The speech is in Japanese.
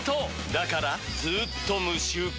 だからずーっと無臭化！